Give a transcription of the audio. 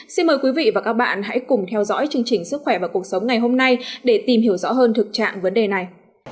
xin mời quý vị và các bạn hãy cùng theo dõi chương trình sức khỏe và cuộc sống ngày hôm nay để tìm hiểu rõ hơn thực trạng vấn đề này